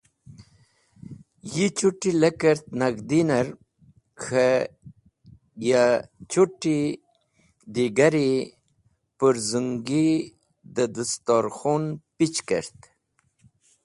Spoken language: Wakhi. Yi chut̃i lekert nag̃hdiner k̃he ya chut̃i digari pũrzũngi dẽ dastorkhun pichi kert.